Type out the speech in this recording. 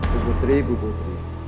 bu putri bu putri